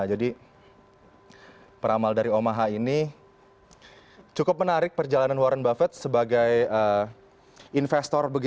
jadi peramal dari omaha ini cukup menarik perjalanan warren buffett sebagai investor